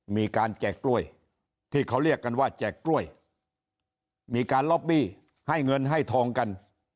แจกกล้วยที่เขาเรียกกันว่าแจกกล้วยมีการล็อบบี้ให้เงินให้ทองกัน